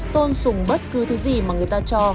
tôn sùng bất cứ thứ gì mà người ta cho